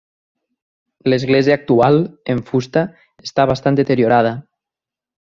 L'església actual, en fusta, està bastant deteriorada.